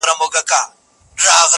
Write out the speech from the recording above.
شپه ده د بوډیو په سینګار اعتبار مه کوه-